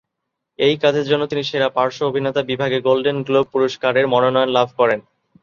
এই কাজের জন্য তিনি সেরা পার্শ্ব অভিনেতা বিভাগে গোল্ডেন গ্লোব পুরস্কারের মনোনয়ন লাভ করেন।